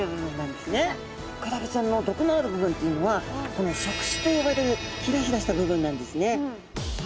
クラゲちゃんの毒のある部分というのはこの触手と呼ばれるヒラヒラした部分なんですね。